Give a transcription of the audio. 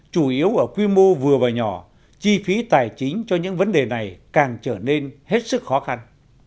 chủ yếu ở quy mô vừa và nhỏ chi phí tài chính cho những vấn đề này càng trở nên hết sức khó khăn